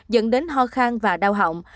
dẫn đến ho khang và đau hỏng